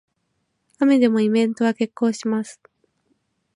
雨でもイベントは決行します